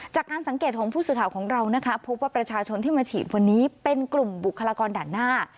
จากการสังเกตของผู้สื่อข่าวของเรานะคะพบว่าประชาชนที่มาฉีดวันนี้เป็นกลุ่มบุคลากรด่านหน้า